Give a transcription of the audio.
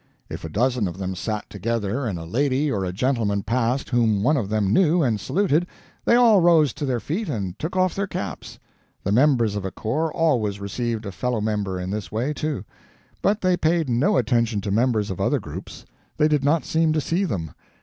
If a dozen of them sat together and a lady or a gentleman passed whom one of them knew and saluted, they all rose to their feet and took off their caps. The members of a corps always received a fellow member in this way, too; but they paid no attention to members of other corps; they did not seem to see them.